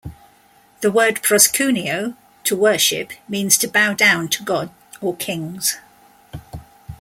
The word "proskuneo" "to worship" means to bow down to God or kings.